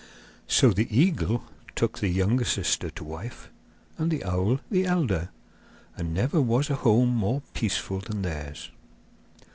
So the eagle took the younger sister to wife, and the owl the elder, and never was a home more peaceful than theirs!